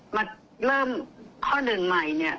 มาเริ่มข้อหนึ่งใหม่เนี่ย